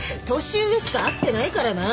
年上しか合ってないからな。